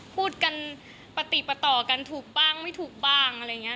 พูดกันปฏิปต่อกันถูกบ้างไม่ถูกบ้างอะไรอย่างนี้